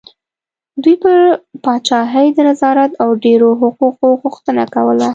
دوی پر پاچاهۍ د نظارت او ډېرو حقوقو غوښتنه کوله.